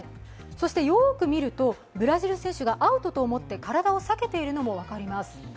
そして、よく見るとブラジル選手がアウトと思って体を避けているのも分かります。